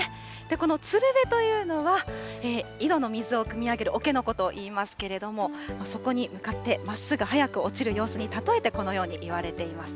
このつるべというのは、井戸の水をくみ上げるおけのことをいいますけれども、底に向かって真っすぐ早く落ちる様子に例えて、このようにいわれています。